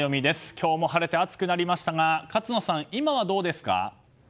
今日も晴れて暑くなりましたが勝野さん、今はどうですか？